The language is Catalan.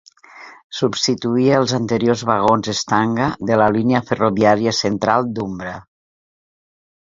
Substituïa els anteriors vagons Stanga de la línia ferroviària central d'Umbra.